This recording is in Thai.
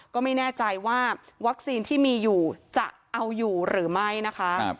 ก็ไม่แน่ใจว่าวัคซีนที่มีอยู่จะเอาอยู่หรือไม่นะคะ